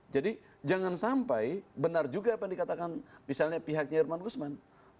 jadi jangan sampai benar juga apa yang dikatakan misalnya pihaknya irman guzman